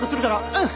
うん！